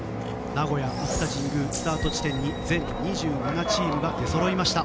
名古屋・熱田神宮スタート地点に全２７チームが出そろいました。